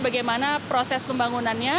bagaimana proses pembangunannya